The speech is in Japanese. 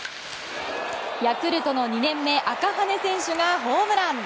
ヤクルトの２年目赤羽選手がホームラン。